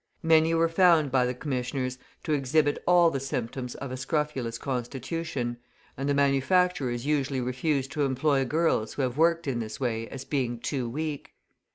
Many were found by the commissioners to exhibit all the symptoms of a scrofulous constitution, and the manufacturers usually refuse to employ girls who have worked in this way as being too weak.